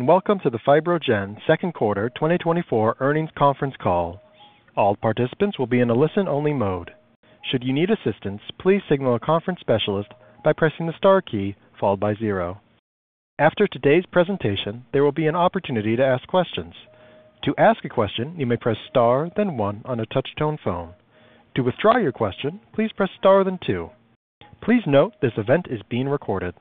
...and welcome to the FibroGen Second Quarter 2024 Earnings Conference Call. All participants will be in a listen-only mode. Should you need assistance, please signal a conference specialist by pressing the star key followed by zero. After today's presentation, there will be an opportunity to ask questions. To ask a question, you may press star, then one on a touch-tone phone. To withdraw your question, please press star, then two. Please note, this event is being recorded.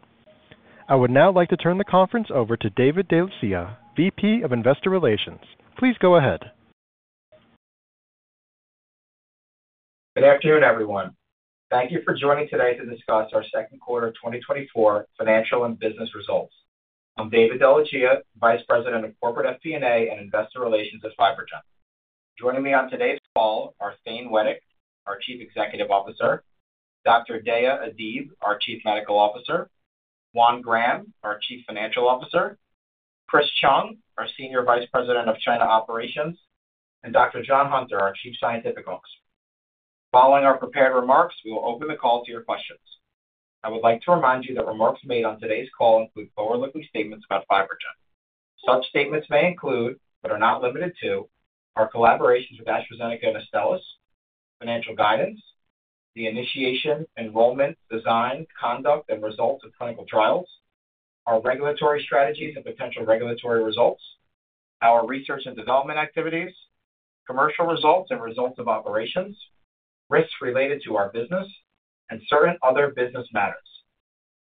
I would now like to turn the conference over to David DeLucia, VP of Investor Relations. Please go ahead. Good afternoon, everyone. Thank you for joining today to discuss our second quarter 2024 financial and business results. I'm David DeLucia, Vice President of Corporate FP&A and Investor Relations at FibroGen. Joining me on today's call are Thane Wettig, our Chief Executive Officer, Dr. Deyaa Adib, our Chief Medical Officer, Juan Graham, our Chief Financial Officer, Chris Chung, our Senior Vice President of China Operations, and Dr. John Hunter, our Chief Scientific Officer. Following our prepared remarks, we will open the call to your questions. I would like to remind you that remarks made on today's call include forward-looking statements about FibroGen. Such statements may include, but are not limited to, our collaborations with AstraZeneca and Astellas, financial guidance, the initiation, enrollment, design, conduct, and results of clinical trials, our regulatory strategies and potential regulatory results, our research and development activities, commercial results and results of operations, risks related to our business, and certain other business matters.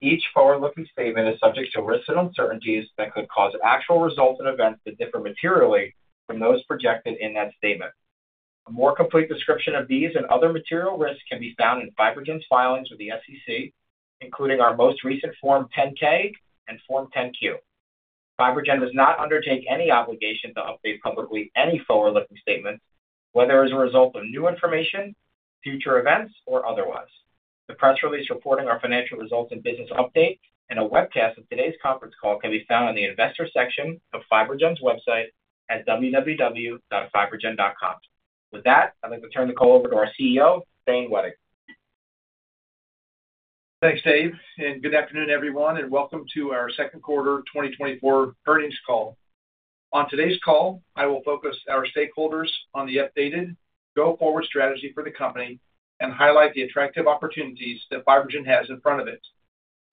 Each forward-looking statement is subject to risks and uncertainties that could cause actual results and events to differ materially from those projected in that statement. A more complete description of these and other material risks can be found in FibroGen's filings with the SEC, including our most recent Form 10-K and Form 10-Q. FibroGen does not undertake any obligation to update publicly any forward-looking statements, whether as a result of new information, future events, or otherwise. The press release reporting our financial results and business update, and a webcast of today's conference call can be found on the investor section of FibroGen's website at www.fibrogen.com. With that, I'd like to turn the call over to our CEO, Thane Wettig. Thanks, Dave, and good afternoon, everyone, and welcome to our second quarter 2024 earnings call. On today's call, I will focus our stakeholders on the updated go-forward strategy for the company and highlight the attractive opportunities that FibroGen has in front of it.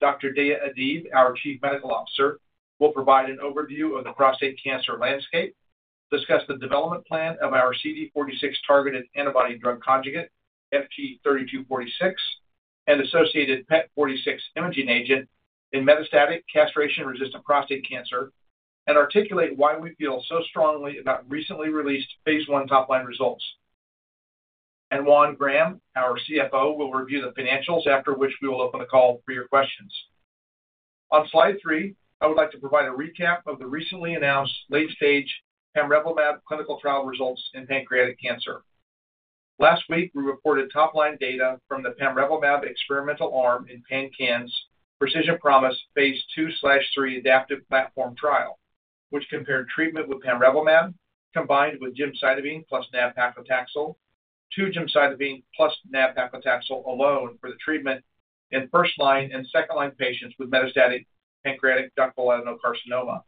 Dr. Deyaa Adib, our Chief Medical Officer, will provide an overview of the prostate cancer landscape, discuss the development plan of our CD46 targeted antibody drug conjugate, FG-3246, and associated PET46 imaging agent in metastatic castration-resistant prostate cancer, and articulate why we feel so strongly about recently released phase 1 top-line results. Juan Graham, our CFO, will review the financials, after which we will open the call for your questions. On slide 3, I would like to provide a recap of the recently announced late-stage pamrevlumab clinical trial results in pancreatic cancer. Last week, we reported top-line data from the pamrevlumab experimental arm in PanCAN's Precision Promise phase 2/3 adaptive platform trial, which compared treatment with pamrevlumab combined with gemcitabine plus nab-paclitaxel to gemcitabine plus nab-paclitaxel alone for the treatment in first-line and second-line patients with metastatic pancreatic ductal adenocarcinoma.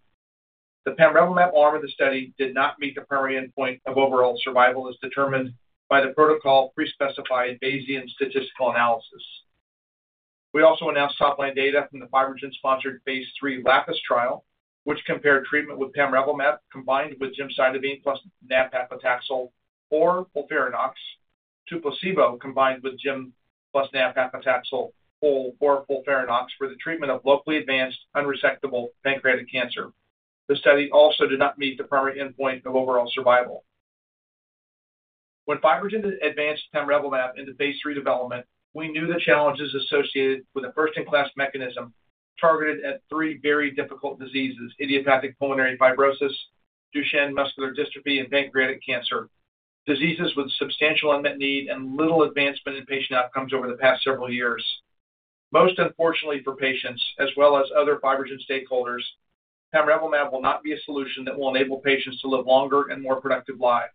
The pamrevlumab arm of the study did not meet the primary endpoint of overall survival, as determined by the protocol pre-specified Bayesian statistical analysis. We also announced top-line data from the FibroGen-sponsored phase III LAPIS trial, which compared treatment with pamrevlumab combined with gemcitabine plus nab-paclitaxel or FOLFIRINOX to placebo, combined with gem plus nab-paclitaxel or FOLFIRINOX for the treatment of locally advanced unresectable pancreatic cancer. The study also did not meet the primary endpoint of overall survival. When FibroGen advanced pamrevlumab into Phase III development, we knew the challenges associated with a first-in-class mechanism targeted at three very difficult diseases: idiopathic pulmonary fibrosis, Duchenne muscular dystrophy, and pancreatic cancer. Diseases with substantial unmet need and little advancement in patient outcomes over the past several years. Most unfortunately for patients, as well as other FibroGen stakeholders, pamrevlumab will not be a solution that will enable patients to live longer and more productive lives.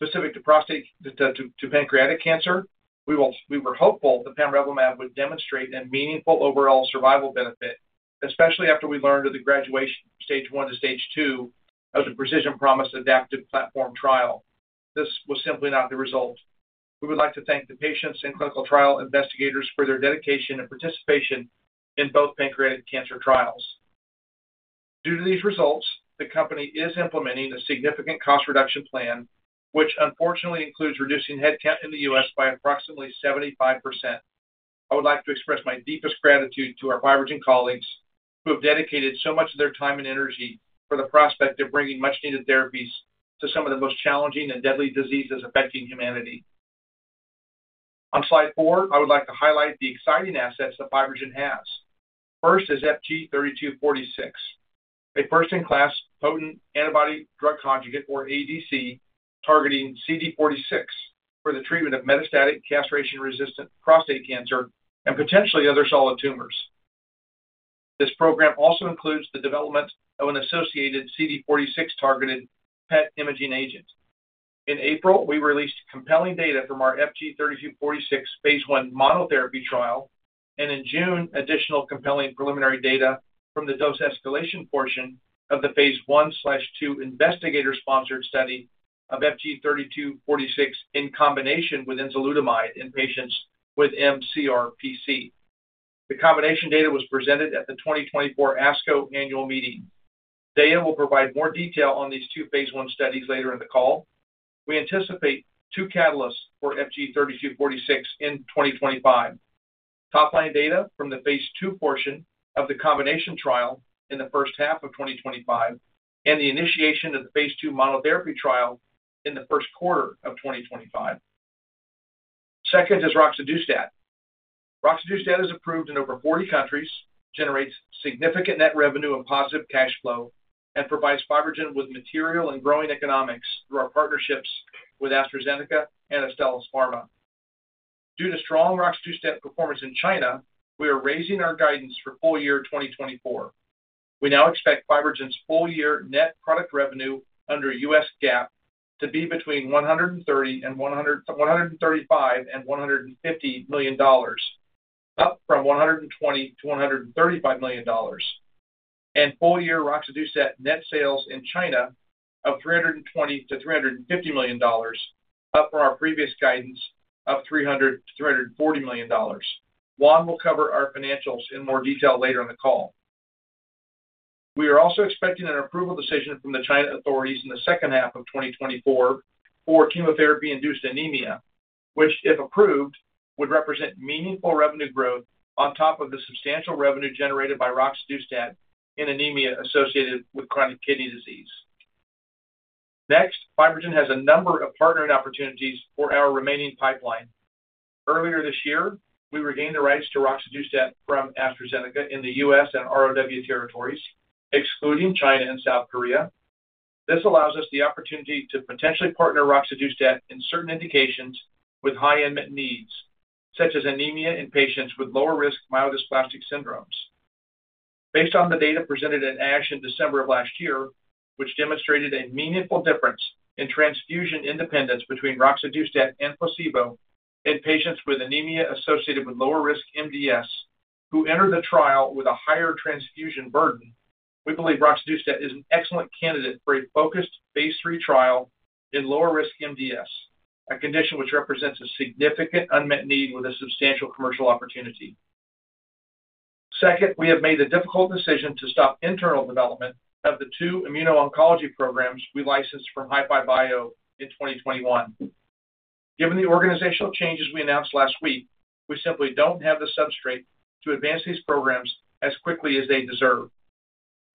Specific to pancreatic cancer, we were hopeful that pamrevlumab would demonstrate a meaningful overall survival benefit, especially after we learned of the graduation from Stage One to Stage Two of the Precision Promise adaptive platform trial. This was simply not the result. We would like to thank the patients and clinical trial investigators for their dedication and participation in both pancreatic cancer trials. Due to these results, the company is implementing a significant cost reduction plan, which unfortunately includes reducing headcount in the U.S. by approximately 75%. I would like to express my deepest gratitude to our FibroGen colleagues, who have dedicated so much of their time and energy for the prospect of bringing much-needed therapies to some of the most challenging and deadly diseases affecting humanity. On slide 4, I would like to highlight the exciting assets that FibroGen has. First is FG-3246, a first-in-class potent antibody drug conjugate, or ADC, targeting CD46 for the treatment of metastatic castration-resistant prostate cancer and potentially other solid tumors. This program also includes the development of an associated CD46-targeted PET imaging agent.... In April, we released compelling data from our FG-3246 phase I monotherapy trial, and in June, additional compelling preliminary data from the dose escalation portion of the phase I/II investigator-sponsored study of FG-3246 in combination with enzalutamide in patients with mCRPC. The combination data was presented at the 2024 ASCO annual meeting. Deyaa will provide more detail on these two phase I studies later in the call. We anticipate two catalysts for FG-3246 in 2025. Top-line data from the phase II portion of the combination trial in the first half of 2025, and the initiation of the phase II monotherapy trial in the first quarter of 2025. Second is roxadustat. Roxadustat is approved in over 40 countries, generates significant net revenue and positive cash flow, and provides FibroGen with material and growing economics through our partnerships with AstraZeneca and Astellas Pharma. Due to strong roxadustat performance in China, we are raising our guidance for full year 2024. We now expect FibroGen's full year net product revenue under U.S. GAAP to be between $130 million and $150 million, up from $120 million-$135 million. Full-year roxadustat net sales in China of $320 million-$350 million, up from our previous guidance of $300 million-$340 million. Juan will cover our financials in more detail later in the call. We are also expecting an approval decision from the China authorities in the second half of 2024 for chemotherapy-induced anemia, which, if approved, would represent meaningful revenue growth on top of the substantial revenue generated by roxadustat in anemia associated with chronic kidney disease. Next, FibroGen has a number of partnering opportunities for our remaining pipeline. Earlier this year, we regained the rights to roxadustat from AstraZeneca in the U.S. and ROW territories, excluding China and South Korea. This allows us the opportunity to potentially partner roxadustat in certain indications with high unmet needs, such as anemia in patients with lower risk myelodysplastic syndromes. Based on the data presented at ASH in December of last year, which demonstrated a meaningful difference in transfusion independence between roxadustat and placebo in patients with anemia associated with lower risk MDS, who entered the trial with a higher transfusion burden, we believe roxadustat is an excellent candidate for a focused Phase III trial in lower risk MDS, a condition which represents a significant unmet need with a substantial commercial opportunity. Second, we have made the difficult decision to stop internal development of the two immuno-oncology programs we licensed from HiFiBiO in 2021. Given the organizational changes we announced last week, we simply don't have the substrate to advance these programs as quickly as they deserve.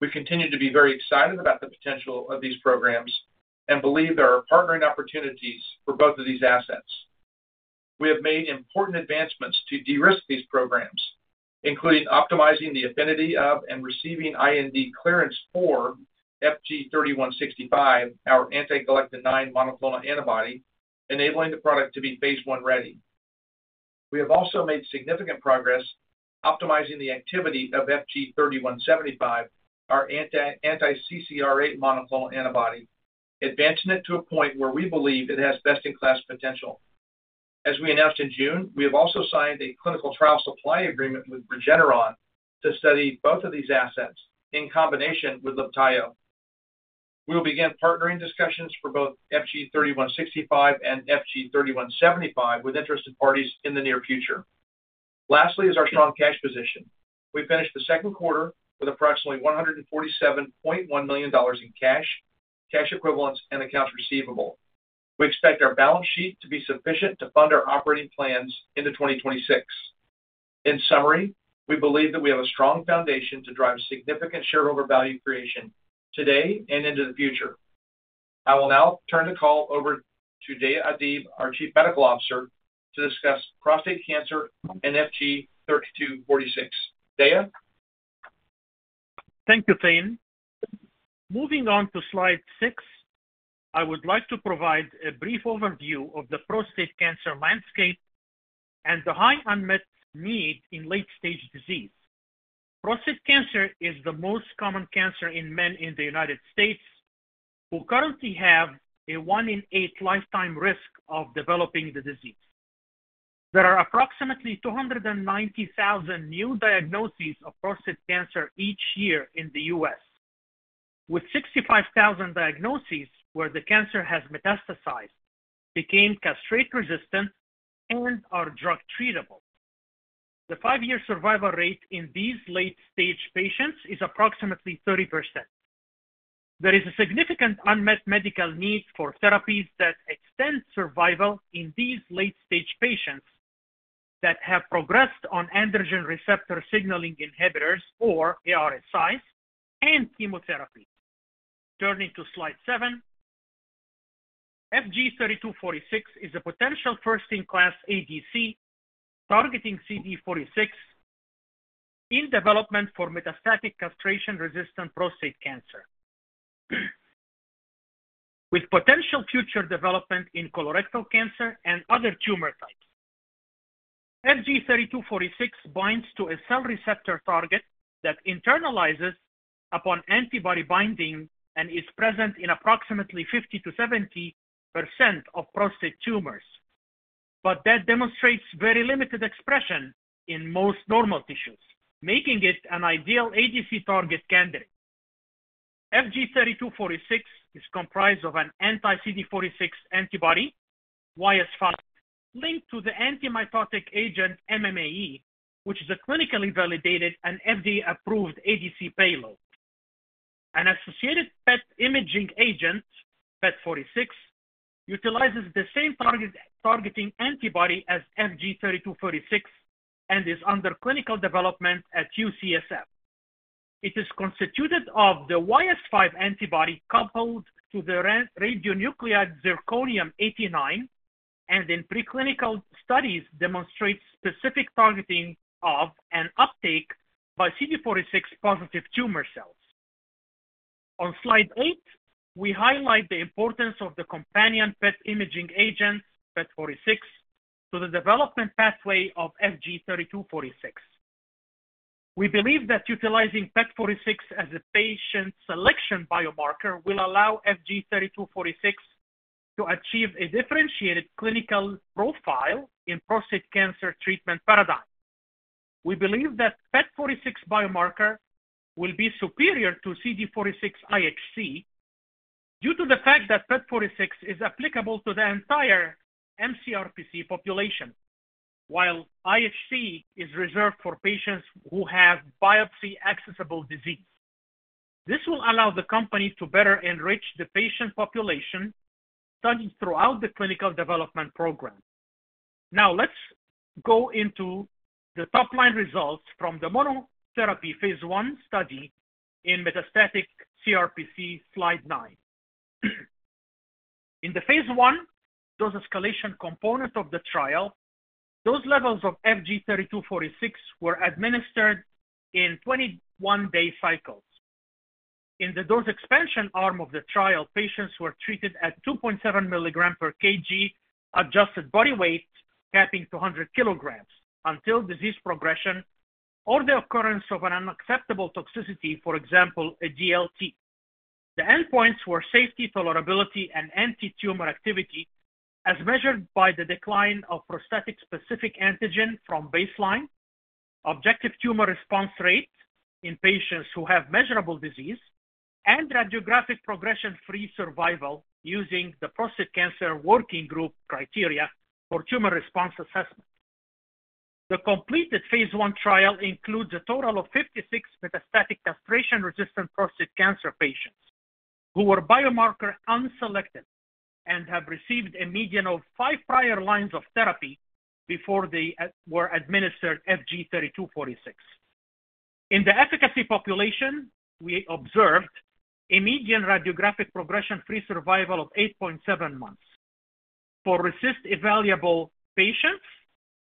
We continue to be very excited about the potential of these programs and believe there are partnering opportunities for both of these assets. We have made important advancements to de-risk these programs, including optimizing the affinity of and receiving IND clearance for FG-3165, our anti-galectin-9 monoclonal antibody, enabling the product to be phase I-ready. We have also made significant progress optimizing the activity of FG-3175, our anti-CCR8 monoclonal antibody, advancing it to a point where we believe it has best-in-class potential. As we announced in June, we have also signed a clinical trial supply agreement with Regeneron to study both of these assets in combination with Libtayo. We will begin partnering discussions for both FG-3165 and FG-3175 with interested parties in the near future. Lastly is our strong cash position. We finished the second quarter with approximately $147.1 million in cash, cash equivalents, and accounts receivable. We expect our balance sheet to be sufficient to fund our operating plans into 2026. In summary, we believe that we have a strong foundation to drive significant shareholder value creation today and into the future. I will now turn the call over to Deyaa Adib, our Chief Medical Officer, to discuss prostate cancer and FG-3246. Deyaa? Thank you, Thane. Moving on to slide 6, I would like to provide a brief overview of the prostate cancer landscape and the high unmet need in late-stage disease. Prostate cancer is the most common cancer in men in the United States, who currently have a 1 in 8 lifetime risk of developing the disease. There are approximately 290,000 new diagnoses of prostate cancer each year in the U.S., with 65,000 diagnoses where the cancer has metastasized, became castration-resistant, and are drug treatable. The 5-year survival rate in these late-stage patients is approximately 30%. There is a significant unmet medical need for therapies that extend survival in these late-stage patients that have progressed on androgen receptor signaling inhibitors, or ARSIs, and chemotherapy. Turning to slide 7, FG-3246 is a potential first-in-class ADC targeting CD46 in development for metastatic castration-resistant prostate cancer. With potential future development in colorectal cancer and other tumor types. FG-3246 binds to a cell receptor target that internalizes upon antibody binding and is present in approximately 50%-70% of prostate tumors, but that demonstrates very limited expression in most normal tissues, making it an ideal ADC target candidate. FG-3246 is comprised of an anti-CD46 antibody, YS5, linked to the anti-mitotic agent MMAE, which is a clinically validated and FDA-approved ADC payload. An associated PET imaging agent, PET46, utilizes the same targeting antibody as FG-3246 and is under clinical development at UCSF. It is constituted of the YS5 antibody coupled to the radionuclide zirconium-89, and in preclinical studies demonstrates specific targeting and uptake by CD46-positive tumor cells. On slide 8, we highlight the importance of the companion PET imaging agent, PET46, to the development pathway of FG-3246. We believe that utilizing PET46 as a patient selection biomarker will allow FG-3246 to achieve a differentiated clinical profile in prostate cancer treatment paradigm. We believe that PET46 biomarker will be superior to CD46 IHC due to the fact that PET46 is applicable to the entire mCRPC population, while IHC is reserved for patients who have biopsy-accessible disease. This will allow the company to better enrich the patient population studied throughout the clinical development program. Now, let's go into the top-line results from the monotherapy phase 1 study in metastatic CRPC, slide 9. In the phase 1, dose escalation component of the trial, dose levels of FG-3246 were administered in 21-day cycles. In the dose expansion arm of the trial, patients were treated at 2.7 milligrams per kg, adjusted body weight, capping to 100 kilograms until disease progression or the occurrence of an unacceptable toxicity, for example, a DLT. The endpoints were safety, tolerability, and antitumor activity, as measured by the decline of prostate-specific antigen from baseline, objective tumor response rate in patients who have measurable disease, and radiographic progression-free survival using the Prostate Cancer Working Group criteria for tumor response assessment. The completed phase 1 trial includes a total of 56 metastatic castration-resistant prostate cancer patients, who were biomarker unselected and have received a median of five prior lines of therapy before they were administered FG-3246. In the efficacy population, we observed a median radiographic progression-free survival of 8.7 months. For response-evaluable patients,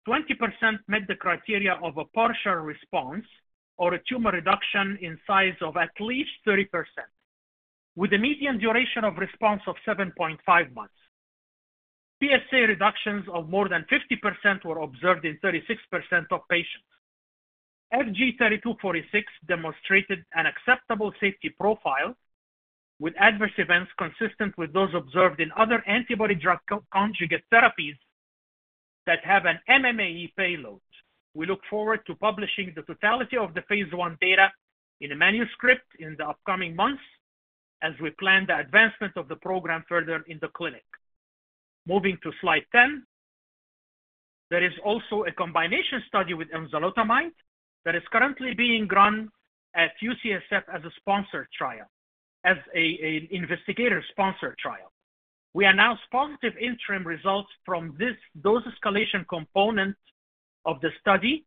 20% met the criteria of a partial response or a tumor reduction in size of at least 30%, with a median duration of response of 7.5 months. PSA reductions of more than 50% were observed in 36% of patients. FG-3246 demonstrated an acceptable safety profile, with adverse events consistent with those observed in other antibody drug conjugate therapies that have an MMAE payload. We look forward to publishing the totality of the phase 1 data in a manuscript in the upcoming months as we plan the advancement of the program further in the clinic. Moving to slide 10, there is also a combination study with enzalutamide that is currently being run at UCSF as a sponsored trial, as an investigator-sponsored trial. We announce positive interim results from this dose escalation component of the study,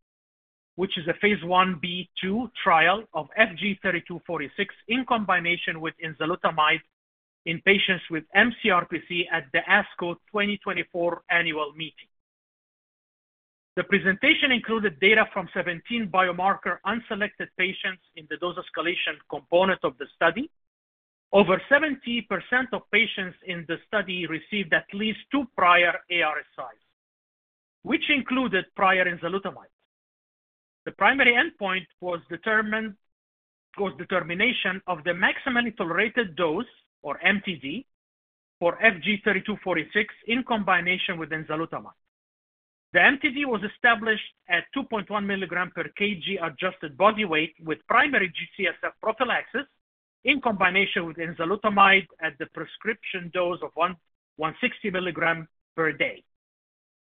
which is a phase 1b/2 trial of FG-3246 in combination with enzalutamide in patients with mCRPC at the ASCO 2024 annual meeting. The presentation included data from 17 biomarker unselected patients in the dose escalation component of the study. Over 70% of patients in the study received at least 2 prior ARSIs, which included prior enzalutamide. The primary endpoint was determination of the maximum tolerated dose, or MTD, for FG-3246 in combination with enzalutamide. The MTD was established at 2.1 mg/kg adjusted body weight with primary G-CSF prophylaxis in combination with enzalutamide at the prescription dose of 160 mg per day.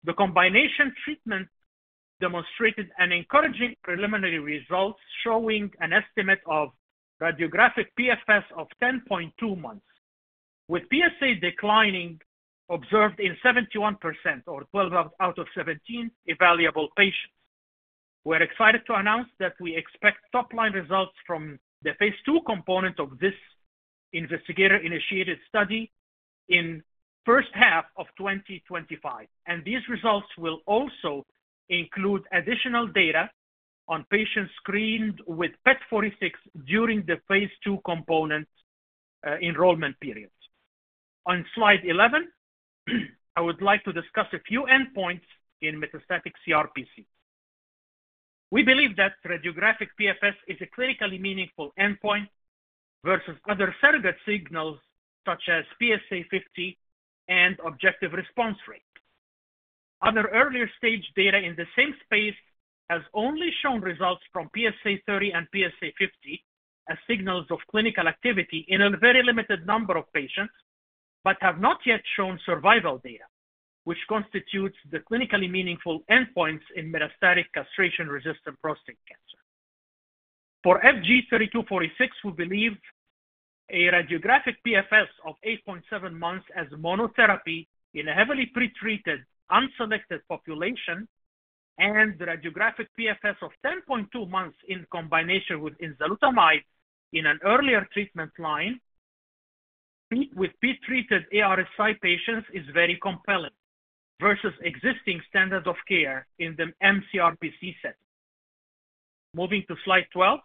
The combination treatment demonstrated an encouraging preliminary result, showing an estimate of radiographic PFS of 10.2 months, with PSA declining observed in 71% or 12 out of 17 evaluable patients. We're excited to announce that we expect top-line results from the phase 2 component of this investigator-initiated study in first half of 2025. And these results will also include additional data on patients screened with PET46 during the phase 2 component, enrollment periods. On slide 11, I would like to discuss a few endpoints in metastatic CRPC. We believe that radiographic PFS is a critically meaningful endpoint versus other surrogate signals, such as PSA50 and objective response rate. Other earlier stage data in the same space has only shown results from PSA 30 and PSA 50 as signals of clinical activity in a very limited number of patients, but have not yet shown survival data, which constitutes the clinically meaningful endpoints in metastatic castration-resistant prostate cancer. For FG-3246, we believe a radiographic PFS of 8.7 months as monotherapy in a heavily pretreated, unselected population, and radiographic PFS of 10.2 months in combination with enzalutamide in an earlier treatment line, with pretreated ARSI patients is very compelling versus existing standards of care in the mCRPC set. Moving to slide 12.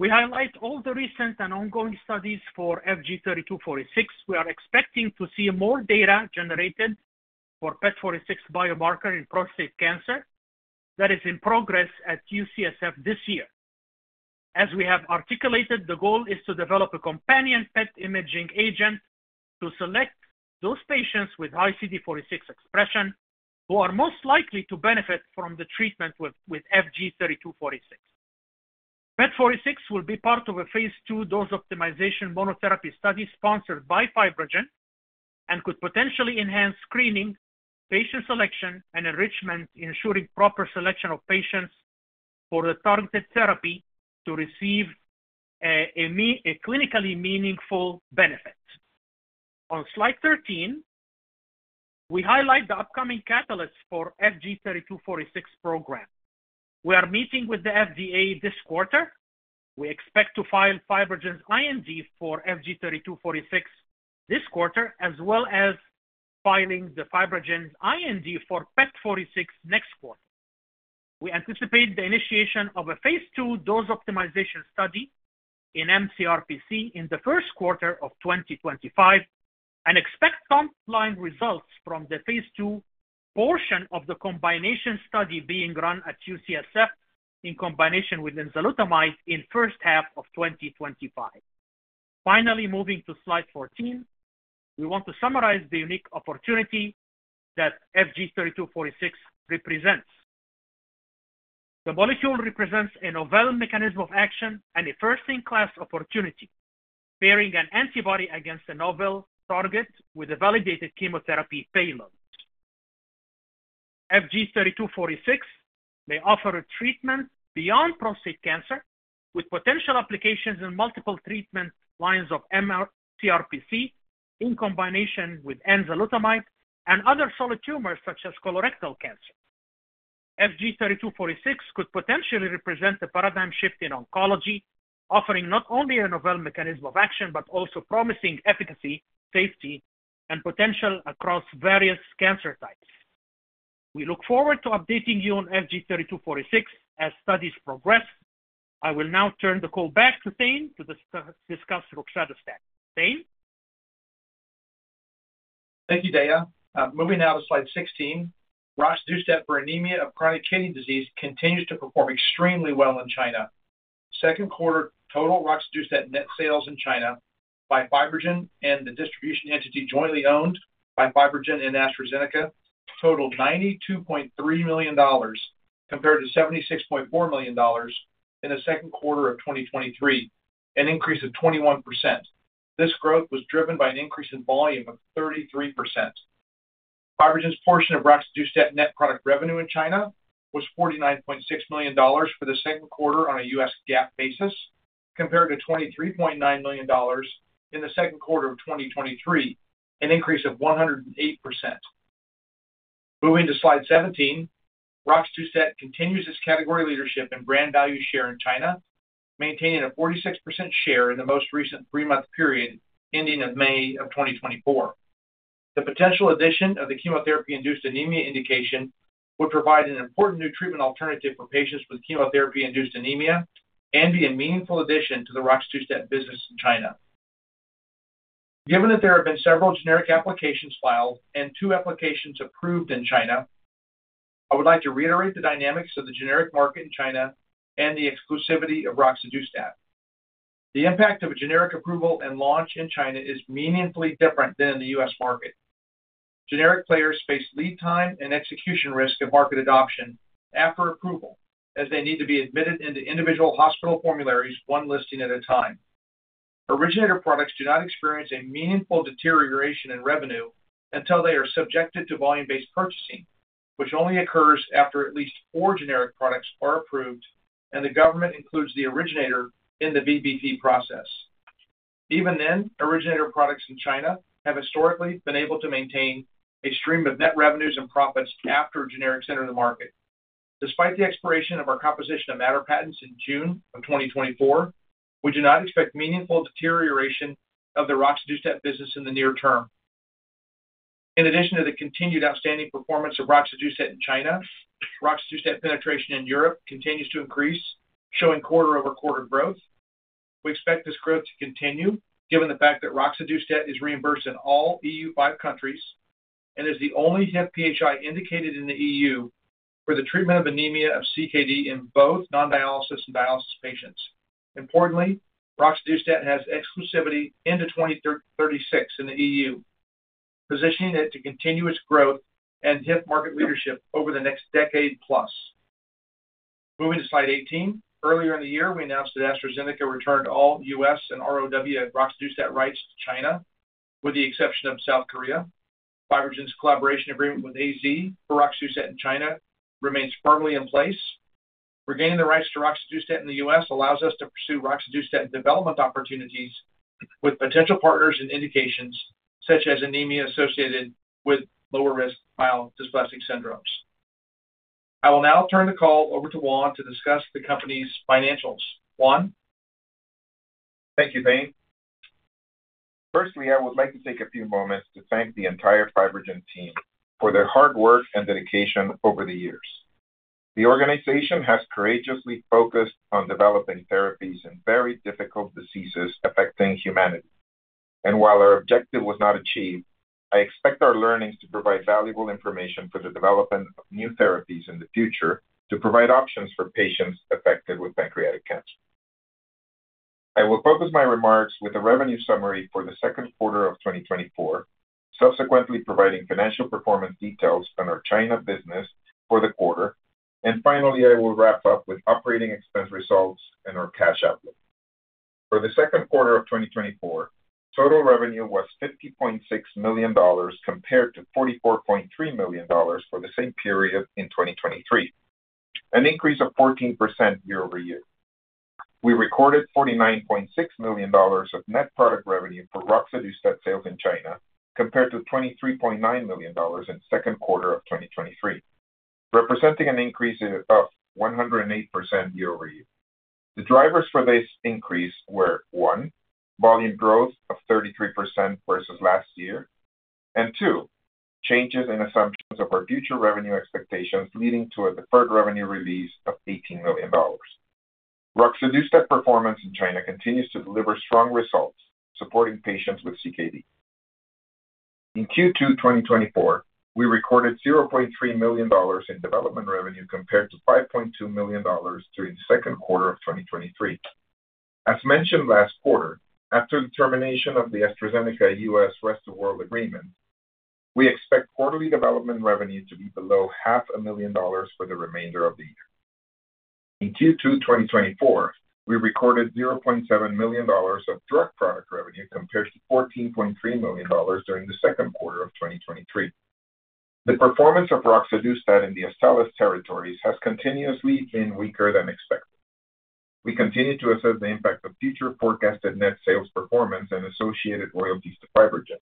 We highlight all the recent and ongoing studies for FG-3246. We are expecting to see more data generated for PET46 biomarker in prostate cancer that is in progress at UCSF this year. As we have articulated, the goal is to develop a companion PET imaging agent to select those patients with CD46 expression, who are most likely to benefit from the treatment with FG-3246. PET46 will be part of a phase 2 dose optimization monotherapy study sponsored by FibroGen, and could potentially enhance screening, patient selection, and enrichment, ensuring proper selection of patients for a targeted therapy to receive a clinically meaningful benefit. On slide 13, we highlight the upcoming catalysts for FG-3246 program. We are meeting with the FDA this quarter. We expect to file FibroGen's IND for FG-3246 this quarter, as well as filing the FibroGen's IND for PET46 next quarter. We anticipate the initiation of a phase II dose optimization study in mCRPC in the first quarter of 2025, and expect top-line results from the phase II portion of the combination study being run at UCSF in combination with enzalutamide in first half of 2025. Finally, moving to slide 14, we want to summarize the unique opportunity that FG-3246 represents. The molecule represents a novel mechanism of action and a first-in-class opportunity, bearing an antibody against a novel target with a validated chemotherapy payload. FG-3246 may offer a treatment beyond prostate cancer, with potential applications in multiple treatment lines of mCRPC, in combination with enzalutamide and other solid tumors, such as colorectal cancer. FG-3246 could potentially represent a paradigm shift in oncology, offering not only a novel mechanism of action, but also promising efficacy, safety, and potential across various cancer types. We look forward to updating you on FG-3246 as studies progress. I will now turn the call back to Thane to discuss roxadustat. Thane? Thank you, Deyaa. Moving now to slide 16. Roxadustat for anemia of chronic kidney disease continues to perform extremely well in China. Second quarter total Roxadustat net sales in China by FibroGen and the distribution entity jointly owned by FibroGen and AstraZeneca totaled $92.3 million, compared to $76.4 million in the second quarter of 2023, an increase of 21%. This growth was driven by an increase in volume of 33%. FibroGen's portion of Roxadustat net product revenue in China was $49.6 million for the second quarter on a U.S. GAAP basis, compared to $23.9 million in the second quarter of 2023, an increase of 108%. Moving to Slide 17, Roxadustat continues its category leadership and brand value share in China, maintaining a 46% share in the most recent three-month period, ending of May of 2024. The potential addition of the chemotherapy-induced anemia indication would provide an important new treatment alternative for patients with chemotherapy-induced anemia and be a meaningful addition to the Roxadustat business in China. Given that there have been several generic applications filed and 2 applications approved in China, I would like to reiterate the dynamics of the generic market in China and the exclusivity of Roxadustat. The impact of a generic approval and launch in China is meaningfully different than in the U.S. market. Generic players face lead time and execution risk of market adoption after approval, as they need to be admitted into individual hospital formularies, one listing at a time. Originator products do not experience a meaningful deterioration in revenue until they are subjected to volume-based purchasing, which only occurs after at least four generic products are approved and the government includes the originator in the VBP process. Even then, originator products in China have historically been able to maintain a stream of net revenues and profits after a generic enter the market. Despite the expiration of our composition of matter patents in June 2024, we do not expect meaningful deterioration of the roxadustat business in the near term. In addition to the continued outstanding performance of roxadustat in China, roxadustat penetration in Europe continues to increase, showing quarter-over-quarter growth. We expect this growth to continue, given the fact that roxadustat is reimbursed in all EU5 countries and is the only HIF-PHI indicated in the EU for the treatment of anemia of CKD in both non-dialysis and dialysis patients. Importantly, roxadustat has exclusivity into 2036 in the EU, positioning it to continue its growth and its market leadership over the next decade plus. Moving to slide 18. Earlier in the year, we announced that AstraZeneca returned all US and ROW roxadustat rights to China, with the exception of South Korea. FibroGen's collaboration agreement with AZ for roxadustat in China remains firmly in place. Regaining the rights to roxadustat in the US allows us to pursue roxadustat development opportunities with potential partners and indications such as anemia associated with lower risk myelodysplastic syndromes. I will now turn the call over to Juan to discuss the company's financials. Juan? Thank you, Thane. Firstly, I would like to take a few moments to thank the entire FibroGen team for their hard work and dedication over the years. The organization has courageously focused on developing therapies in very difficult diseases affecting humanity. While our objective was not achieved, I expect our learnings to provide valuable information for the development of new therapies in the future to provide options for patients affected with pancreatic cancer. I will focus my remarks with a revenue summary for the second quarter of 2024, subsequently providing financial performance details on our China business for the quarter. Finally, I will wrap up with operating expense results and our cash outlook. For the second quarter of 2024, total revenue was $50.6 million, compared to $44.3 million for the same period in 2023, an increase of 14% year-over-year. We recorded $49.6 million of net product revenue for roxadustat sales in China, compared to $23.9 million in second quarter of 2023, representing an increase of 108% year-over-year. The drivers for this increase were, one, volume growth of 33% versus last year, and two, changes in assumptions of our future revenue expectations, leading to a deferred revenue release of $18 million. Roxadustat performance in China continues to deliver strong results, supporting patients with CKD. In Q2 2024, we recorded $0.3 million in development revenue, compared to $5.2 million during the second quarter of 2023. As mentioned last quarter, after the termination of the AstraZeneca U.S. rest of world agreement, we expect quarterly development revenue to be below $0.5 million for the remainder of the year. In Q2 2024, we recorded $0.7 million of drug product revenue, compared to $14.3 million during the second quarter of 2023. The performance of roxadustat in the Astellas territories has continuously been weaker than expected. We continue to assess the impact of future forecasted net sales performance and associated royalties to FibroGen,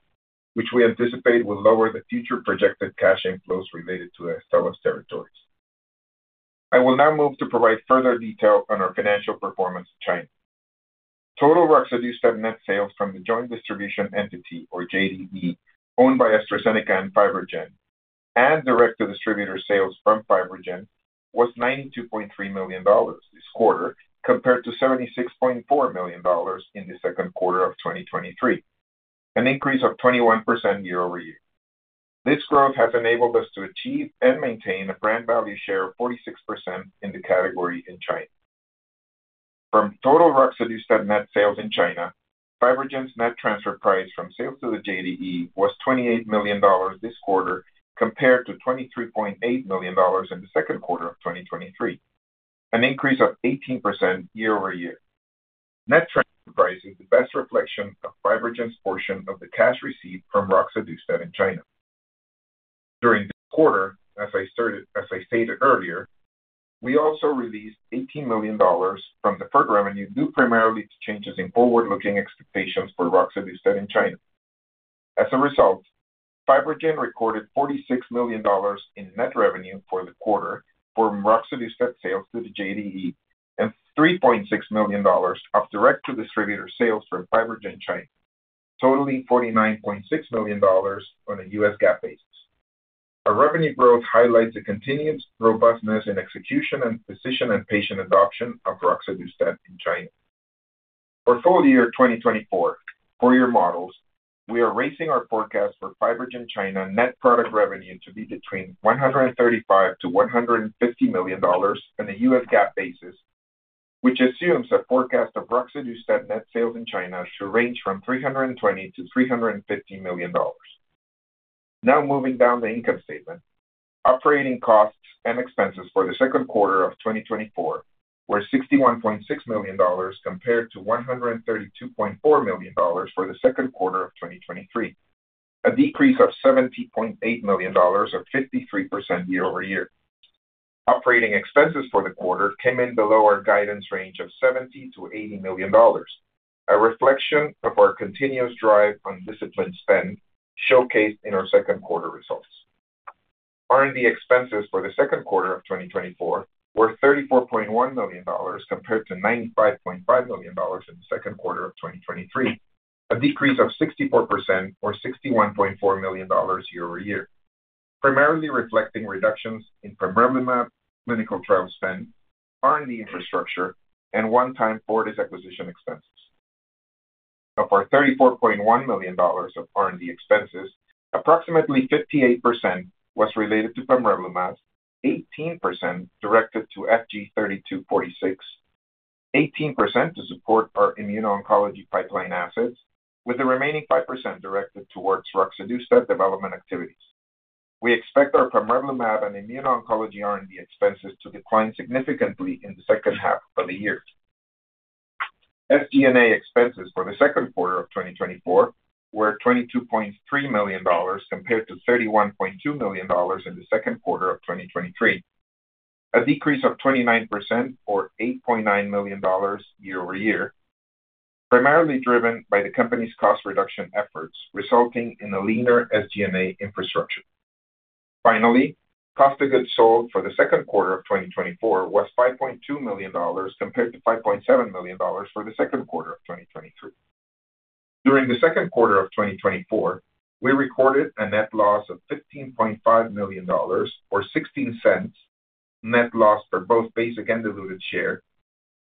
which we anticipate will lower the future projected cash inflows related to Astellas territories. I will now move to provide further detail on our financial performance in China. Total roxadustat net sales from the joint distribution entity, or JDE, owned by AstraZeneca and FibroGen, and direct-to-distributor sales from FibroGen, was $92.3 million this quarter, compared to $76.4 million in the second quarter of 2023, an increase of 21% year-over-year. This growth has enabled us to achieve and maintain a brand value share of 46% in the category in China. From total roxadustat net sales in China, FibroGen's net transfer price from sales to the JDE was $28 million this quarter, compared to $23.8 million in the second quarter of 2023, an increase of 18% year-over-year. Net transfer price is the best reflection of FibroGen's portion of the cash received from roxadustat in China. During the quarter, as I stated earlier, we also released $18 million from deferred revenue, due primarily to changes in forward-looking expectations for roxadustat in China. As a result, FibroGen recorded $46 million in net revenue for the quarter for roxadustat sales to the JDE and $3.6 million of direct-to-distributor sales from FibroGen China, totaling $49.6 million on a U.S. GAAP basis. Our revenue growth highlights the continuous robustness in execution and physician and patient adoption of roxadustat in China. For full year 2024, for your models, we are raising our forecast for FibroGen China net product revenue to be between $135-$150 million on a U.S. GAAP basis, which assumes a forecast of roxadustat net sales in China to range from $320-$350 million. Now moving down the income statement. Operating costs and expenses for the second quarter of 2024 were $61.6 million, compared to $132.4 million for the second quarter of 2023, a decrease of $70.8 million, or 53% year-over-year. Operating expenses for the quarter came in below our guidance range of $70-$80 million, a reflection of our continuous drive on disciplined spend, showcased in our second quarter results. R&D expenses for the second quarter of 2024 were $34.1 million, compared to $95.5 million in the second quarter of 2023. A decrease of 64% or $61.4 million year-over-year, primarily reflecting reductions in pamrevlumab, clinical trial spend, R&D infrastructure, and one-time Fortis acquisition expenses. Of our $34.1 million of R&D expenses, approximately 58% was related to pamrevlumab, 18% directed to FG-3246, 18% to support our immuno-oncology pipeline assets, with the remaining 5% directed towards roxadustat development activities. We expect our pamrevlumab and immuno-oncology R&D expenses to decline significantly in the second half of the year. SG&A expenses for the second quarter of 2024 were $22.3 million, compared to $31.2 million in the second quarter of 2023. A decrease of 29% or $8.9 million year-over-year, primarily driven by the company's cost reduction efforts, resulting in a leaner SG&A infrastructure. Finally, cost of goods sold for the second quarter of 2024 was $5.2 million, compared to $5.7 million for the second quarter of 2023. During the second quarter of 2024, we recorded a net loss of $15.5 million or $0.16 net loss for both basic and diluted share,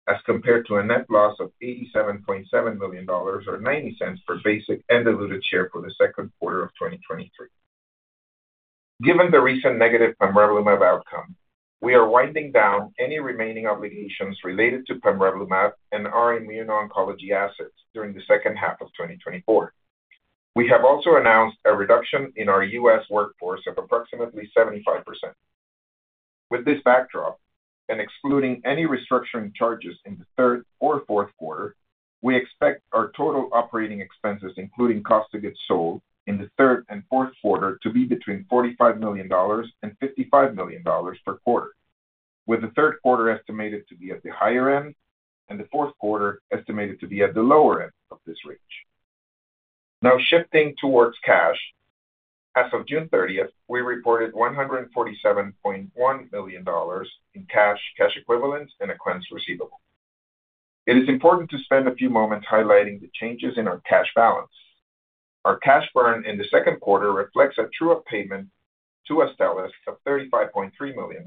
as compared to a net loss of $87.7 million or $0.90 for basic and diluted share for the second quarter of 2023. Given the recent negative pamrevlumab outcome, we are winding down any remaining obligations related to pamrevlumab and our immuno-oncology assets during the second half of 2024. We have also announced a reduction in our U.S. workforce of approximately 75%. With this backdrop, and excluding any restructuring charges in the third or fourth quarter, we expect our total operating expenses, including cost of goods sold, in the third and fourth quarter to be between $45 million and $55 million per quarter, with the third quarter estimated to be at the higher end and the fourth quarter estimated to be at the lower end of this range. Now, shifting towards cash. As of June thirtieth, we reported $147.1 million in cash, cash equivalents, and accounts receivable. It is important to spend a few moments highlighting the changes in our cash balance. Our cash burn in the second quarter reflects a true-up payment to Astellas of $35.3 million.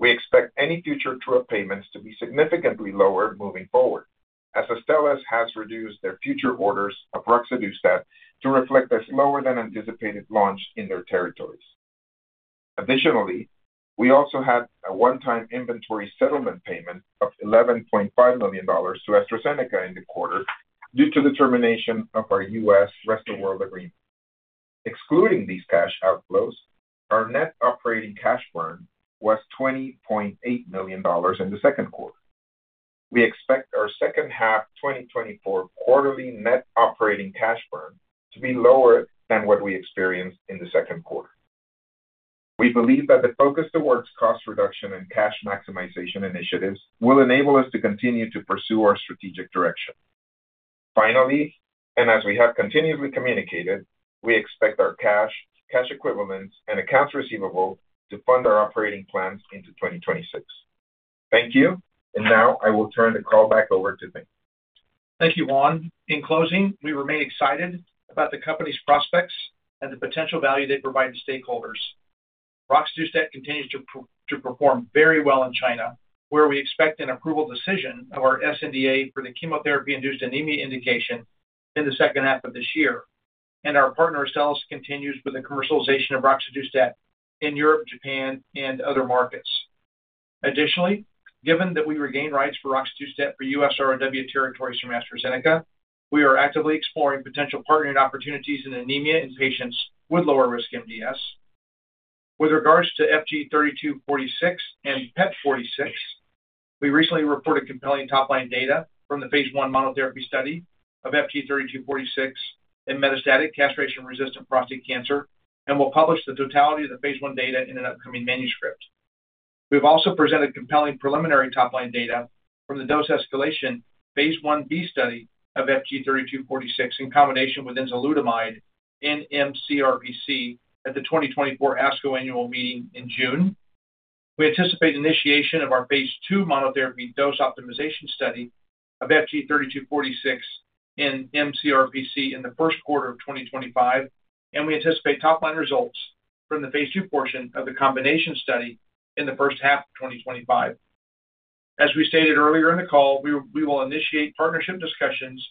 We expect any future true-up payments to be significantly lower moving forward, as Astellas has reduced their future orders of roxadustat to reflect a slower than anticipated launch in their territories. Additionally, we also had a one-time inventory settlement payment of $11.5 million to AstraZeneca in the quarter due to the termination of our U.S. Rest of World agreement. Excluding these cash outflows, our net operating cash burn was $20.8 million in the second quarter. We expect our second half 2024 quarterly net operating cash burn to be lower than what we experienced in the second quarter. We believe that the focus towards cost reduction and cash maximization initiatives will enable us to continue to pursue our strategic direction. Finally, and as we have continuously communicated, we expect our cash, cash equivalents, and accounts receivable to fund our operating plans into 2026. Thank you. Now I will turn the call back over to Thane. Thank you, Juan. In closing, we remain excited about the company's prospects and the potential value they provide to stakeholders. Roxadustat continues to perform very well in China, where we expect an approval decision of our sNDA for the chemotherapy-induced anemia indication in the second half of this year. Our partner, Astellas, continues with the commercialization of roxadustat in Europe, Japan, and other markets. Additionally, given that we regained rights for roxadustat for US ROW territories from AstraZeneca, we are actively exploring potential partnering opportunities in anemia in patients with lower risk MDS. With regards to FG-3246 and PET46, we recently reported compelling top-line data from the phase 1 monotherapy study of FG-3246 in metastatic castration-resistant prostate cancer, and will publish the totality of the phase 1 data in an upcoming manuscript. We've also presented compelling preliminary top-line data from the dose escalation phase 1b study of FG-3246, in combination with enzalutamide in mCRPC at the 2024 ASCO annual meeting in June. We anticipate initiation of our phase 2 monotherapy dose optimization study of FG-3246 in mCRPC in the first quarter of 2025, and we anticipate top-line results from the phase 2 portion of the combination study in the first half of 2025. As we stated earlier in the call, we will initiate partnership discussions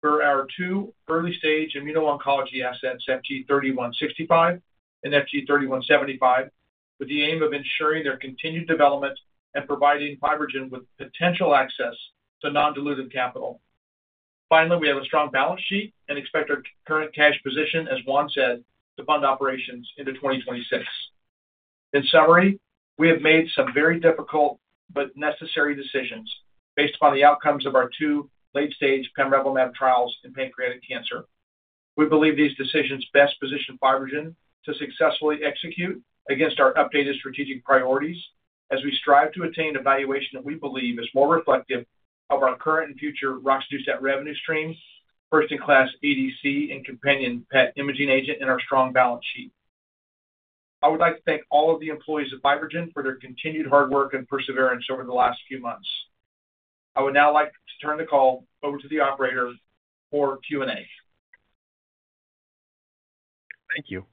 for our two early-stage immuno-oncology assets, FG-3165 and FG-3175, with the aim of ensuring their continued development and providing FibroGen with potential access to non-dilutive capital. Finally, we have a strong balance sheet and expect our current cash position, as Juan said, to fund operations into 2026. In summary, we have made some very difficult but necessary decisions based upon the outcomes of our two late-stage pamrevlumab trials in pancreatic cancer. We believe these decisions best position FibroGen to successfully execute against our updated strategic priorities... as we strive to attain a valuation that we believe is more reflective of our current and future roxadustat revenue stream, first-in-class ADC and companion PET imaging agent, and our strong balance sheet. I would like to thank all of the employees of FibroGen for their continued hard work and perseverance over the last few months. I would now like to turn the call over to the operator for Q&A. Thank you.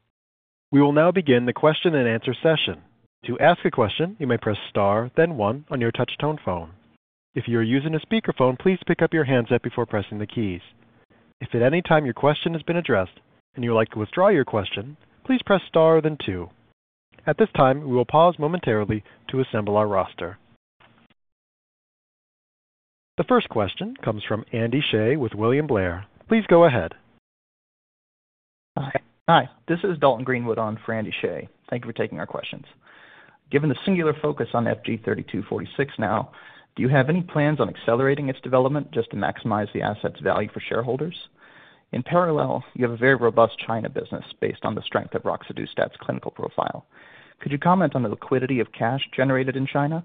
We will now begin the question-and-answer session. To ask a question, you may press star then one on your touch tone phone. If you are using a speakerphone, please pick up your handset before pressing the keys. If at any time your question has been addressed and you would like to withdraw your question, please press star then two. At this time, we will pause momentarily to assemble our roster. The first question comes from Andy Hsieh with William Blair. Please go ahead. Hi, this is Dalton Greenwood on for Andy Hsieh. Thank you for taking our questions. Given the singular focus on FG-3246 now, do you have any plans on accelerating its development just to maximize the asset's value for shareholders? In parallel, you have a very robust China business based on the strength of roxadustat's clinical profile. Could you comment on the liquidity of cash generated in China?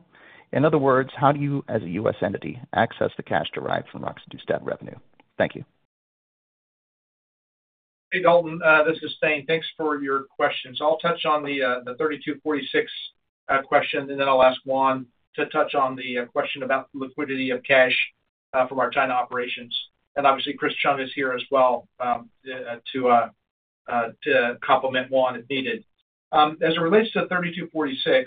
In other words, how do you, as a U.S. entity, access the cash derived from roxadustat revenue? Thank you. Hey, Dalton, this is Thane. Thanks for your questions. I'll touch on the FG-3246 question, and then I'll ask Juan to touch on the question about the liquidity of cash from our China operations. And obviously, Chris Chung is here as well, to complement Juan if needed. As it relates to FG-3246,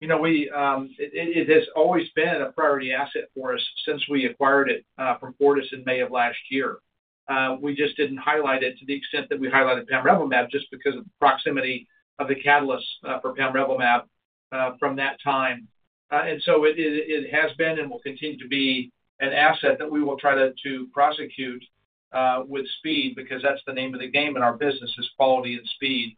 you know, we... It has always been a priority asset for us since we acquired it from Fortis in May of last year. We just didn't highlight it to the extent that we highlighted pamrevlumab, just because of the proximity of the catalyst for pamrevlumab from that time. And so it has been and will continue to be an asset that we will try to prosecute with speed, because that's the name of the game in our business, is quality and speed.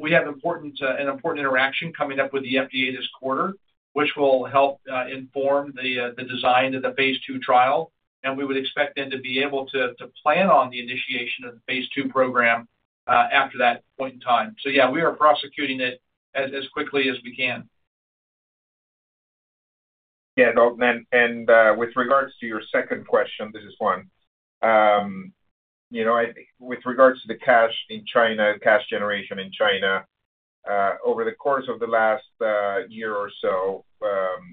We have an important interaction coming up with the FDA this quarter, which will help inform the design of the phase two trial, and we would expect then to be able to plan on the initiation of the phase two program after that point in time. So yeah, we are prosecuting it as quickly as we can. Yeah, Dalton, with regards to your second question, this is Juan. You know, with regards to the cash in China, cash generation in China, over the course of the last year or so,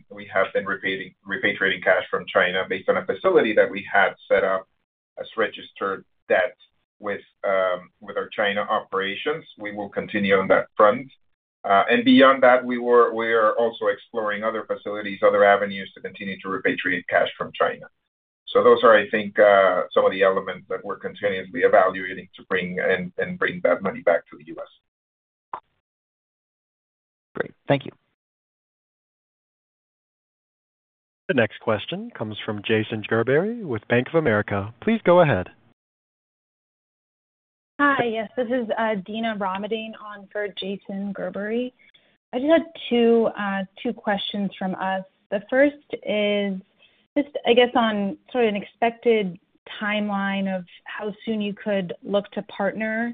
we have been repatriating cash from China based on a facility that we had set up as registered debt with our China operations. We will continue on that front. And beyond that, we are also exploring other facilities, other avenues, to continue to repatriate cash from China. So those are, I think, some of the elements that we're continuously evaluating to bring and bring that money back to the US. Great. Thank you. The next question comes from Jason Gerberry with Bank of America. Please go ahead. Hi. Yes, this is Dina Ramadane on for Jason Gerberry. I just had 2 questions from us. The first is just, I guess, on sort of an expected timeline of how soon you could look to partner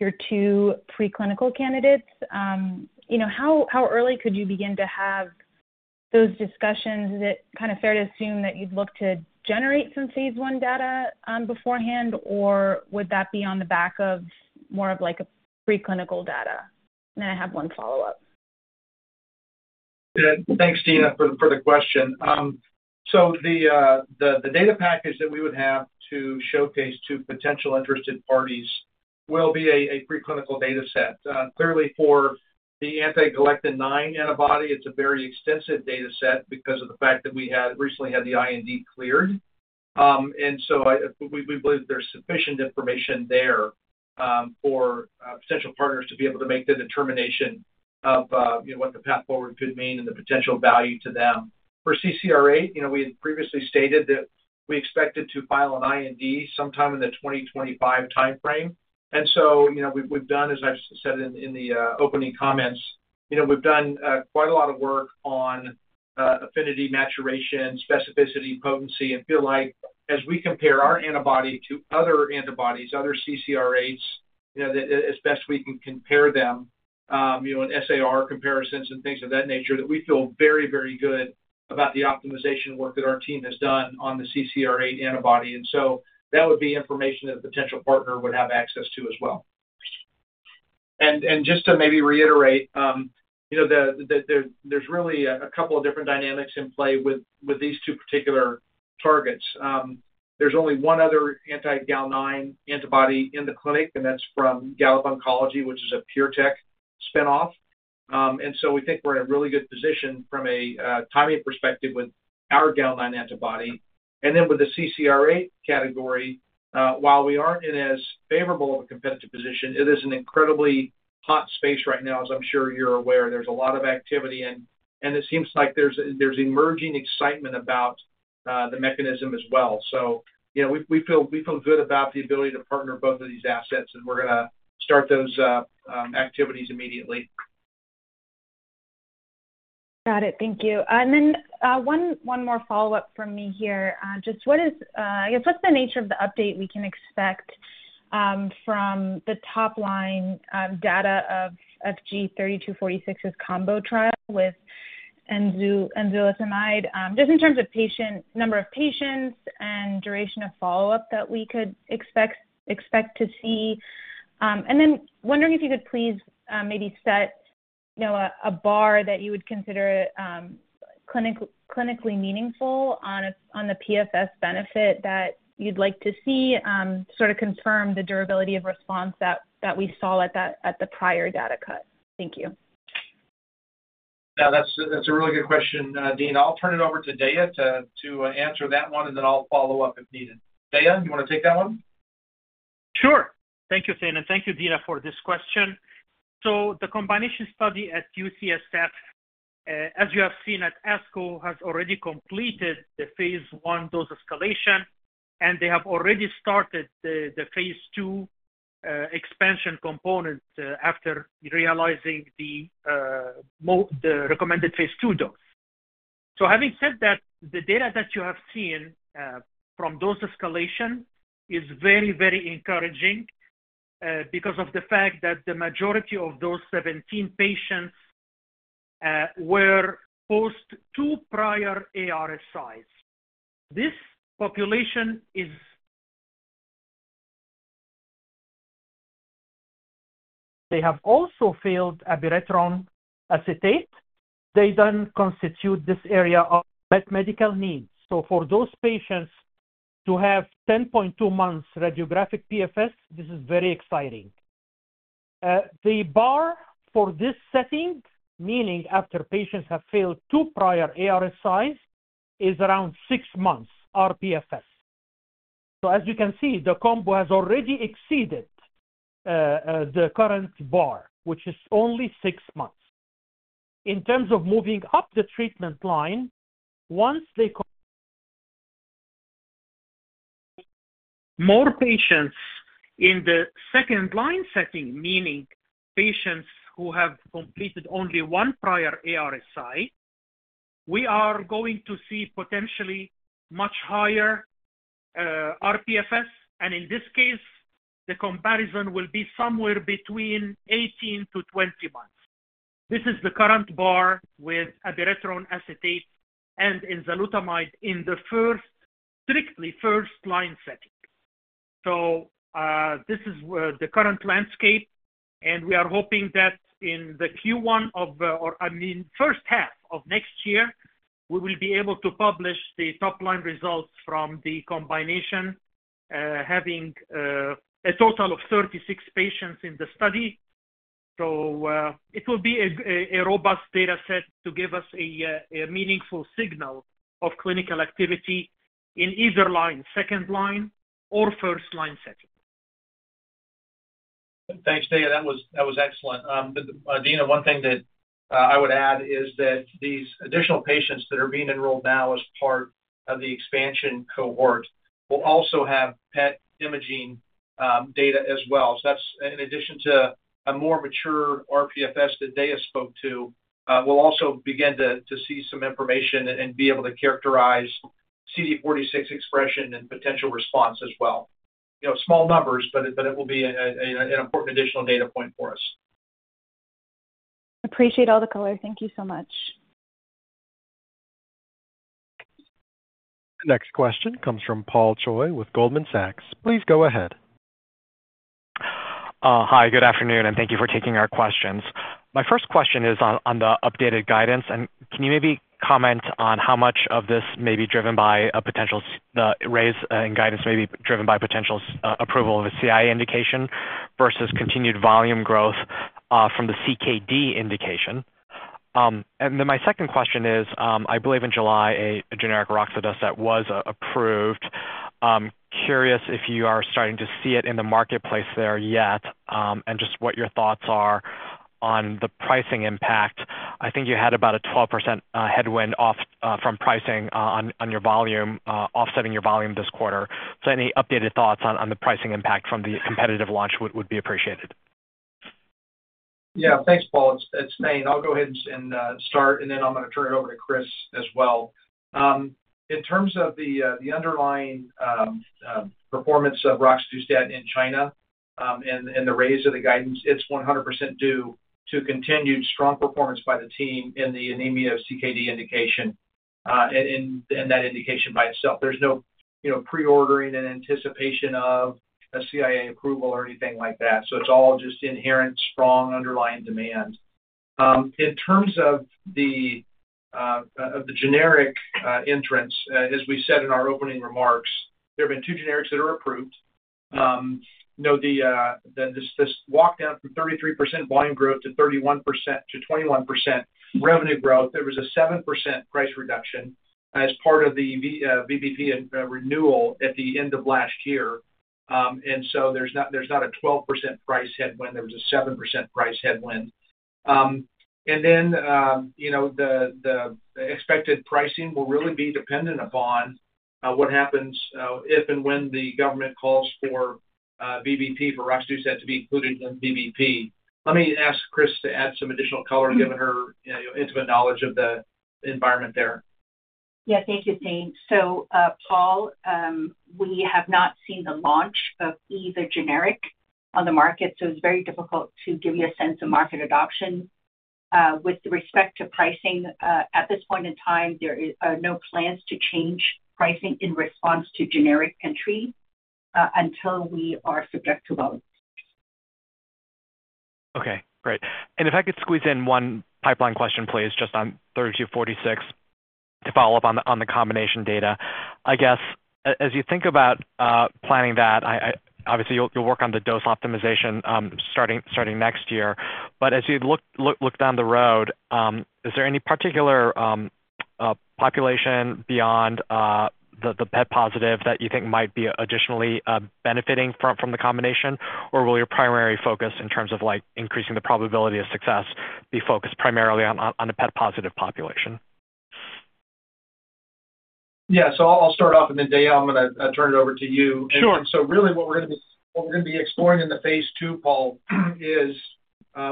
your 2 preclinical candidates. You know, how early could you begin to have those discussions? Is it kind of fair to assume that you'd look to generate some phase 1 data beforehand, or would that be on the back of more of like a preclinical data? And I have one follow-up. Yeah. Thanks, Dina, for the question. So the data package that we would have to showcase to potential interested parties will be a preclinical data set. Clearly for the anti-galectin-9 antibody, it's a very extensive data set because of the fact that we had recently had the IND cleared. And so we believe there's sufficient information there for potential partners to be able to make the determination of you know, what the path forward could mean and the potential value to them. For CCR8, you know, we had previously stated that we expected to file an IND sometime in the 2025 timeframe. And so, you know, we've done, as I've said in the opening comments, you know, we've done quite a lot of work on affinity, maturation, specificity, potency, and feel like as we compare our antibody to other antibodies, other CCR8s, you know, that as best we can compare them, you know, in SAR comparisons and things of that nature, that we feel very, very good about the optimization work that our team has done on the CCR8 antibody. And so that would be information that a potential partner would have access to as well. And just to maybe reiterate, you know, the, there, there's really a couple of different dynamics in play with these two particular targets. There's only one other anti-Gal9 antibody in the clinic, and that's from Gallop Oncology, which is a PureTech spinoff. And so we think we're in a really good position from a timing perspective with our Gal-9 antibody. And then with the CCR8 category, while we aren't in as favorable of a competitive position, it is an incredibly hot space right now, as I'm sure you're aware. There's a lot of activity and it seems like there's emerging excitement about the mechanism as well. So, you know, we feel good about the ability to partner both of these assets, and we're gonna start those activities immediately. Got it. Thank you. And then, one more follow-up from me here. Just what is, I guess, what's the nature of the update we can expect? From the top line data of FG-3246's combo trial with enzalutamide, just in terms of number of patients and duration of follow-up that we could expect to see. And then wondering if you could please, maybe set, you know, a bar that you would consider clinically meaningful on the PFS benefit that you'd like to see, sort of confirm the durability of response that we saw at the prior data cut. Thank you. Yeah, that's, that's a really good question, Dina. I'll turn it over to Deyaa to answer that one, and then I'll follow up if needed. Deyaa, you wanna take that one? Sure. Thank you, Thane, and thank you, Dina, for this question. So the combination study at UCSF, as you have seen at ASCO, has already completed the phase 1 dose escalation, and they have already started the phase 2 expansion component after realizing the recommended phase 2 dose. So having said that, the data that you have seen from dose escalation is very, very encouraging because of the fact that the majority of those 17 patients were post 2 prior ARSI. This population is... They have also failed abiraterone acetate. They don't constitute this area of medical need. So for those patients to have 10.2 months radiographic PFS, this is very exciting. The bar for this setting, meaning after patients have failed 2 prior ARSI, is around 6 months rPFS. So as you can see, the combo has already exceeded the current bar, which is only 6 months. In terms of moving up the treatment line, once they ... More patients in the second line setting, meaning patients who have completed only one prior ARSI, we are going to see potentially much higher RPFS, and in this case, the comparison will be somewhere between 18-20 months. This is the current bar with abiraterone acetate and enzalutamide in the first, strictly first line setting. So this is where the current landscape, and we are hoping that in the Q1 of, or, I mean, first half of next year, we will be able to publish the top-line results from the combination having a total of 36 patients in the study. It will be a robust data set to give us a meaningful signal of clinical activity in either line, second line or first line setting. Thanks, Deyaa. That was, that was excellent. But, Dina, one thing that I would add is that these additional patients that are being enrolled now as part of the expansion cohort will also have PET imaging data as well. So that's in addition to a more mature rPFS that Deyaa spoke to, we'll also begin to see some information and be able to characterize CD46 expression and potential response as well. You know, small numbers, but it will be an important additional data point for us. Appreciate all the color. Thank you so much. Next question comes from Paul Choi with Goldman Sachs. Please go ahead. Hi, good afternoon, and thank you for taking our questions. My first question is on the updated guidance, and can you maybe comment on how much of this may be driven by a potential raise in guidance may be driven by potential approval of a CIA indication versus continued volume growth from the CKD indication? And then my second question is, I believe in July, a generic roxadustat was approved. Curious if you are starting to see it in the marketplace there yet, and just what your thoughts are on the pricing impact. I think you had about a 12% headwind off from pricing on your volume offsetting your volume this quarter. So any updated thoughts on the pricing impact from the competitive launch would be appreciated. Yeah. Thanks, Paul. It's Thane. I'll go ahead and start, and then I'm gonna turn it over to Chris as well. In terms of the underlying performance of roxadustat in China, and the raise of the guidance, it's 100% due to continued strong performance by the team in the anemia CKD indication, and that indication by itself. There's no, you know, pre-ordering in anticipation of a CIA approval or anything like that. So it's all just inherent, strong, underlying demand. In terms of the generic entrants, as we said in our opening remarks, there have been two generics that are approved. You know, this walk down from 33% volume growth to 31% to 21% revenue growth, there was a 7% price reduction as part of the VBP renewal at the end of last year. And so there's not, there's not a 12% price headwind. There was a 7% price headwind. And then, you know, the expected pricing will really be dependent upon what happens if and when the government calls for VBP for roxadustat to be included in VBP. Let me ask Chris to add some additional color, given her, you know, intimate knowledge of the environment there.... Yeah, thank you, Thane. So, Paul, we have not seen the launch of either generic on the market, so it's very difficult to give you a sense of market adoption. With respect to pricing, at this point in time, there is, are no plans to change pricing in response to generic entry, until we are subject to VBP. Okay, great. And if I could squeeze in one pipeline question, please, just on FG-3246, to follow up on the combination data. I guess, as you think about planning that, obviously, you'll work on the dose optimization, starting next year. But as you look down the road, is there any particular population beyond the PET positive that you think might be additionally benefiting from the combination? Or will your primary focus in terms of, like, increasing the probability of success be focused primarily on a PET positive population? Yeah, so I'll start off, and then, Deyaa, I'm gonna turn it over to you. Sure. And so really what we're gonna be exploring in the phase 2, Paul, is,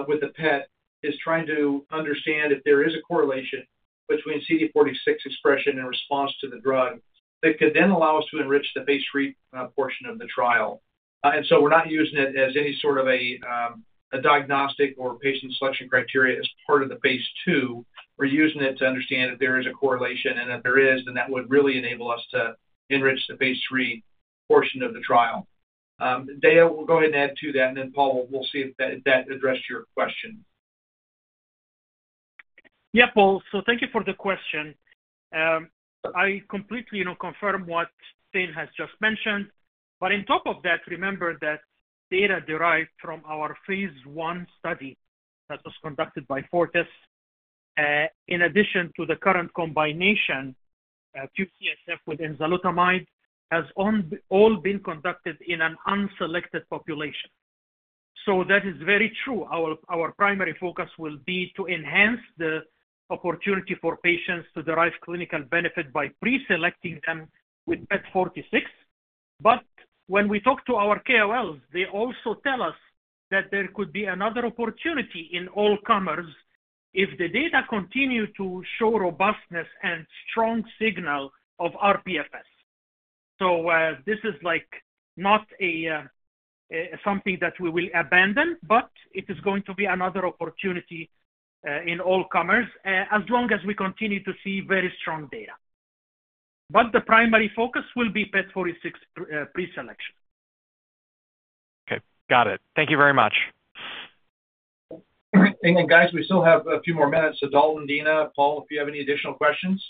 with the PET, is trying to understand if there is a correlation between CD46 expression in response to the drug, that could then allow us to enrich the phase 3, portion of the trial. And so we're not using it as any sort of a, a diagnostic or patient selection criteria as part of the phase 2. We're using it to understand if there is a correlation, and if there is, then that would really enable us to enrich the phase 3 portion of the trial. Deyaa will go ahead and add to that, and then, Paul, we'll see if that addressed your question. Yeah, Paul, so thank you for the question. I completely, you know, confirm what Thane has just mentioned, but on top of that, remember that data derived from our phase 1 study that was conducted by Fortis, in addition to the current combination, UCSF with enzalutamide, has in all been conducted in an unselected population. So that is very true. Our primary focus will be to enhance the opportunity for patients to derive clinical benefit by preselecting them with PET46. But when we talk to our KOLs, they also tell us that there could be another opportunity in all comers if the data continue to show robustness and strong signal of rPFS. So, this is, like, not a something that we will abandon, but it is going to be another opportunity, in all comers, as long as we continue to see very strong data. But the primary focus will be PET46 preselection. Okay, got it. Thank you very much. And guys, we still have a few more minutes, so Dalton, Dina, Paul, if you have any additional questions?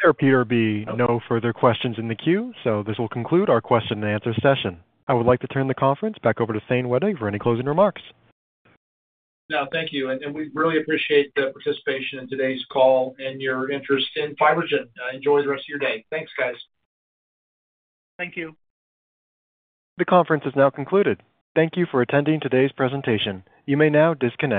There appear to be no further questions in the queue, so this will conclude our question and answer session. I would like to turn the conference back over to Thane Wettig for any closing remarks. Now, thank you, and we really appreciate the participation in today's call and your interest in FibroGen. Enjoy the rest of your day. Thanks, guys. Thank you. The conference is now concluded. Thank you for attending today's presentation. You may now disconnect.